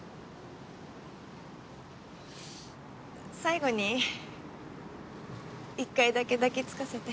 最後に１回だけ抱きつかせて。